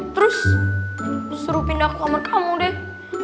terus suruh pindah ke kamar kamu deh